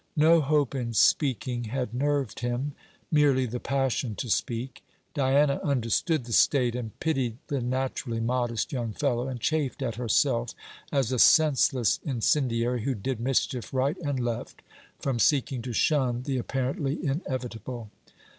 No hope in speaking had nerved him; merely the passion to speak. Diana understood the state, and pitied the naturally modest young fellow, and chafed at herself as a senseless incendiary, who did mischief right and left, from seeking to shun the apparently inevitable.